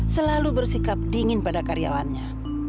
selalu bersikap dingin pada karyawannya